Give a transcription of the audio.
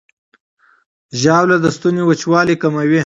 ژاوله د ستوني وچوالی کموي.